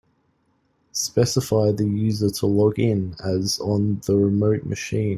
Specify the user to log in as on the remote machine.